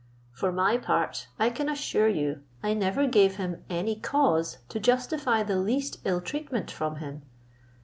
For my part, I can assure you, I never gave him any cause to justify the least ill treatment from him.